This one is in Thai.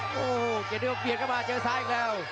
โอ้โหเกณฑิคมเปลี่ยนเข้ามาเจอซ้ายอีกแล้ว